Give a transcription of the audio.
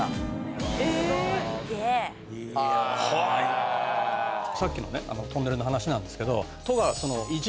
へぇ・さっきのねトンネルの話なんですけど都が。